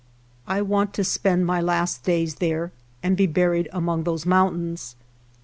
I want to spend my last days there, and be buried among those mountains.